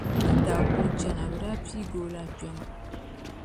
Di ni daa kuli chana, bɛ daa piigi o la kpɛma.